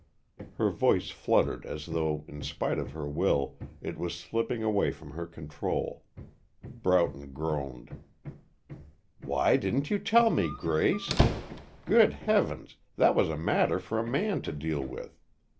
Her voice fluttered as though, in spite of her will, it was slipping away from her control. Broughton groaned. "Why didn't you tell me, Grace? Good heavens, that was a matter for a man to deal with."